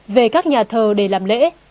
về các nhà thờ để làm lễ